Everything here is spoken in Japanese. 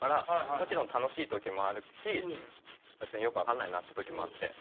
もちろん楽しい時もあるし別によく分かんないなって時もあって。